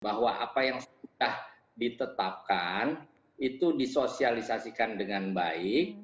bahwa apa yang sudah ditetapkan itu disosialisasikan dengan baik